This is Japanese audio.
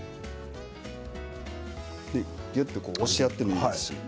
ぎゅっと押してもいいです。